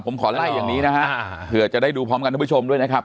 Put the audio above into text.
ผมขอไล่อย่างนี้นะฮะเผื่อจะได้ดูพร้อมกันทุกผู้ชมด้วยนะครับ